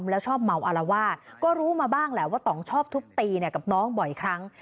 แล้วชอบเมาอารวาสก็รู้มาบ้างแหละว่าต่องชอบทุบตีกับน้องบ่อยครั้ง